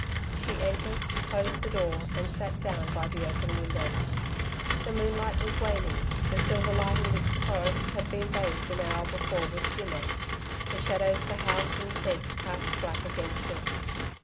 She entered, closed the door and sat down by the open window. The moonlight was waning. The silver light in which the forest had been bathed an hour before, was dimmer, the shadows the house and sheds cast black against it.